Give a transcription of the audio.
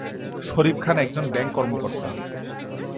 শরীফ খান একজন ব্যাংক কর্মকর্তা।